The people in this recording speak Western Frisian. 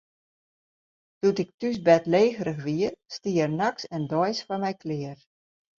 Doe't ik thús bêdlegerich wie, stie er nachts en deis foar my klear.